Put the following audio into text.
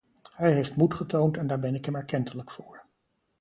Hij heeft moed getoond en daar ben ik hem erkentelijk voor.